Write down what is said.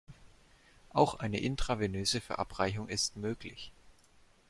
Auch eine intravenöse Verabreichung ist möglich.